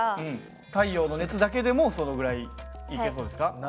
太陽の熱だけでもそのぐらいいけそうですか？